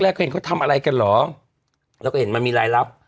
แล้วก็เห็นเขาทำอะไรกันหรอแล้วก็เห็นมันมีรายลับ